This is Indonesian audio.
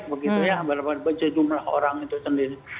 begitu ya jumlah orang itu sendiri